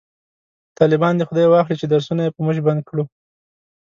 طالبان دی خداي واخلﺉ چې درسونه یې په موژ بند کړو